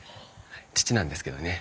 父なんですけどね。